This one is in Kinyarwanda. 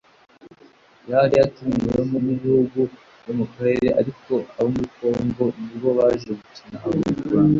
yari yatumiwemo ibihugu byo mu karere ariko abo muri Congo nibo baje gukina ’Abanyarwanda